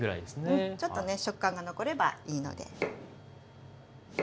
うんちょっとね食感が残ればいいので。